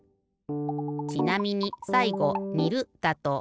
ちなみにさいごにるだと。